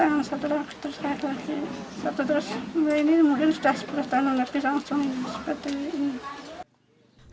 nah ini mungkin sudah sepuluh tahun lagi langsung seperti ini